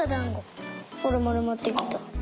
ほらまるまってきた。